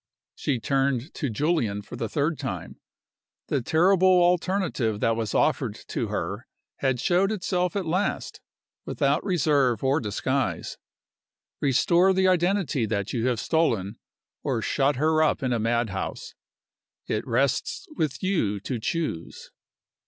She turned to Julian for the third time. The terrible alternative that was offered to her had showed itself at last, without reserve or disguise. Restore the identity that you have stolen, or shut her up in a madhouse it rests with you to choose!